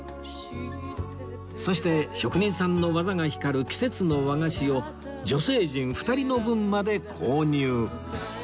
そして職人さんの技が光る季節の和菓子を女性陣２人の分まで購入